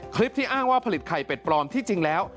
คลิปที่อ้างว่าผลิตไข่เป็ดปลอมที่จริงแล้ว